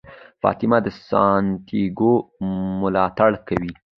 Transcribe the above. فاطمه د سانتیاګو ملاتړ کوي.